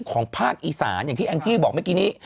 ของภาคอีสานอย่างที่แองจี้บอกเมื่อกี้นี้